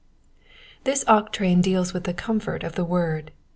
This octrain deals with the comfort of the word.